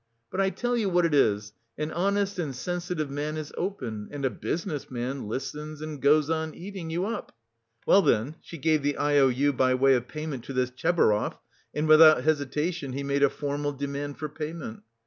But I tell you what it is; an honest and sensitive man is open; and a business man 'listens and goes on eating' you up. Well, then she gave the I O U by way of payment to this Tchebarov, and without hesitation he made a formal demand for payment.